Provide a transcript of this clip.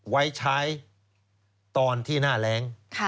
ไว้ใช้ตอนที่หน้าแรง